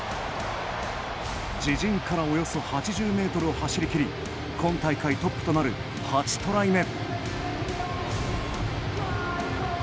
自陣からおよそ８０ｍを走りきり今大会トップとなる８トライ目。